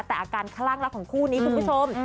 แต่อาการคลั่งรักของคู่นี้คุณผู้ชม